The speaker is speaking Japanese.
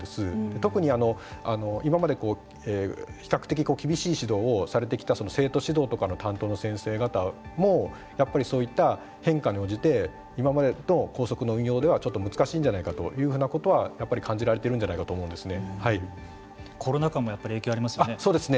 特に、今まで比較的厳しい指導をされてきた生徒指導の担当の先生方もそういった変化に応じて今までの校則の運用ではちょっと難しいんじゃないかというふうなことはやっぱり感じられてコロナ禍もそうですね。